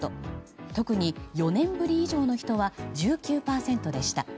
特に４年ぶり以上の人は１９％でした。